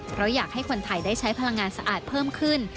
เพราะอยากให้คนไทยได้ใช้พลังงานสะอาดเพิ่มขึ้น